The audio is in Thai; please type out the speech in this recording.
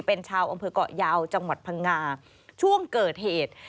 เป็นชาวอำเภอกเกาะยาวจังหวัดพังงาช่วงเกิดเหตุ